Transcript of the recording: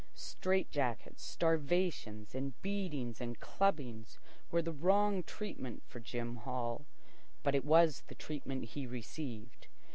Strait jackets, starvation, and beatings and clubbings were the wrong treatment for Jim Hall; but it was the treatment he received.